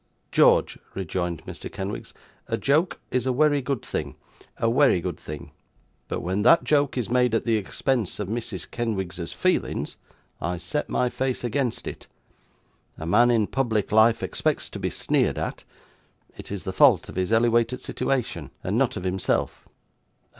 'George,' rejoined Mr. Kenwigs, 'a joke is a wery good thing a wery good thing but when that joke is made at the expense of Mrs. Kenwigs's feelings, I set my face against it. A man in public life expects to be sneered at it is the fault of his elewated sitiwation, and not of himself.